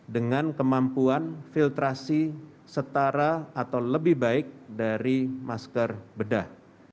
dengan kemampuan filtrasi setara atau lebih baik dari masker bedah